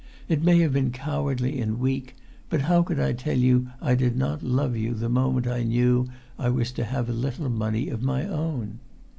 It may have been cowardly and weak, but how could I tell you I did not love you the moment I knew I was to have a little money of my own?